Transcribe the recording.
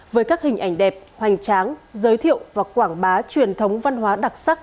với các hình ảnh đẹp hoành tráng giới thiệu và quảng bá truyền thống văn hóa đặc sắc